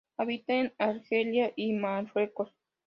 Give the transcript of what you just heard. Habita en Argelia y Marruecos.